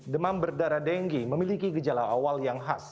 demam berdarah dengue memiliki gejala awal yang khas